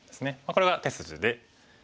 これが手筋で。